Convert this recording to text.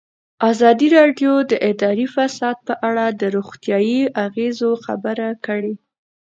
ازادي راډیو د اداري فساد په اړه د روغتیایي اغېزو خبره کړې.